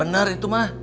bener itu mah